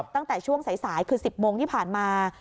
ตั้งแต่ช่วงสายคือ๑๐โมงที่ผ่านมา